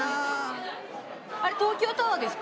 あれ東京タワーですか？